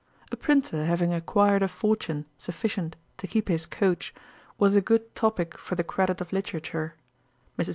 A printer having acquired a fortune sufficient to keep his coach, was a good topick for the credit of literature. Mrs.